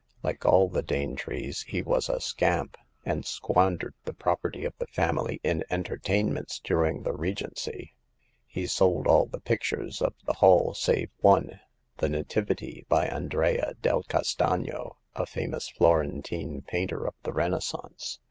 Like all the Danetrees, he was a scamp, and squandered the property of the family in entertainments during The Fifth Customer. 139 the Regency. He sold all the pictures of the Hall save one, "The Nativity," by Andrea del Castagno, a famous Florentine painter of the Renaissance.